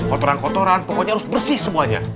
kotoran kotoran pokoknya harus bersih semuanya